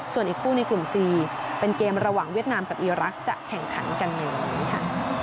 ส่วนอีกคู่ในกลุ่ม๔เป็นเกมระหว่างเวียดนามกับอีรักษ์จะแข่งขันกันในวันนี้ค่ะ